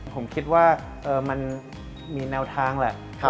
ผมคิดว่ามันมีแนวทางแหละ